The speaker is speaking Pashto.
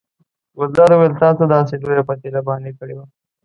ګلداد وویل تا څه داسې لویه پتیله باندې کړې وه.